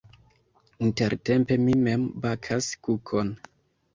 Intertempe mi mem bakas kukon.